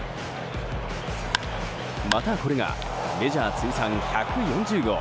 またこれがメジャー通算１４０号。